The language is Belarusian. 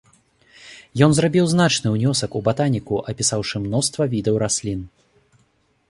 Ён зрабіў значны ўнёсак у батаніку, апісаўшы мноства відаў раслін.